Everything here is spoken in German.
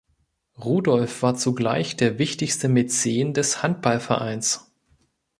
Rudolph war zugleich der wichtigste Mäzen des Handballvereins.